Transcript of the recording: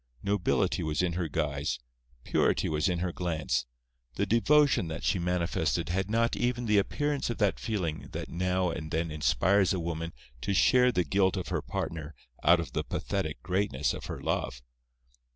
Nobility was in her guise; purity was in her glance. The devotion that she manifested had not even the appearance of that feeling that now and then inspires a woman to share the guilt of her partner out of the pathetic greatness of her love.